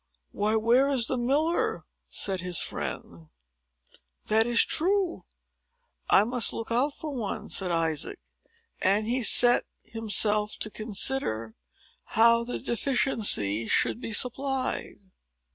"Why, where is the miller?" said his friend. "That is true!—I must look out for one," said Isaac; and he set himself to consider how the deficiency should be supplied.